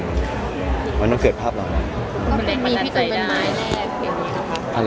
มันต้องเกิดภาพของเรา